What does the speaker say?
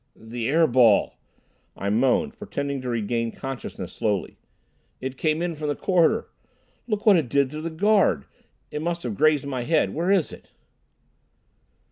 "The air ball," I moaned, pretending to regain consciousness slowly. "It came in from the corridor. Look what it did to the guard. It must have grazed my head. Where is it?"